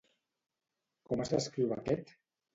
Com es descriu aquest?